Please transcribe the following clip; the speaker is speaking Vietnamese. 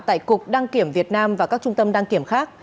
tại cục đăng kiểm việt nam và các trung tâm đăng kiểm khác